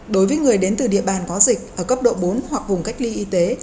đối với người đến từ địa bàn có dịch ở cấp độ bốn hoặc vùng cách ly y tế